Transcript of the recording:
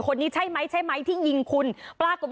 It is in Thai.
ของข้าวเจอปืนก็บอก